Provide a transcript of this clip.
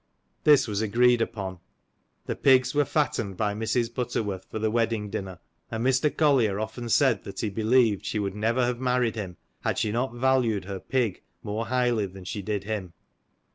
This was agreed upon ; the pigs were fattened by Mrs. Butterworth for the wedding dinner ; and Mr. Collier often said he believed she would never have married him, had she not valued her pig more highly than she did him.